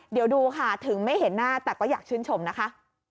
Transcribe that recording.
เดี๋ยวดูค่ะถึงไม่เห็นหน้าแต่ก็อยากชื่นชมนะคะ